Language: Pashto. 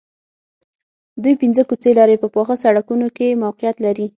دوی پنځه کوڅې لرې په پاخه سړکونو کې موقعیت لري